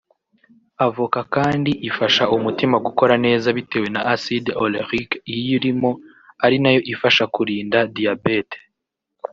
Avoka kandi ifasha umutima gukora neza bitewe na acide olerique iyirimo ari nayo ifasha kurinda diabete